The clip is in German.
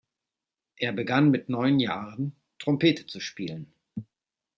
Er begann mit neun Jahren, Trompete zu spielen.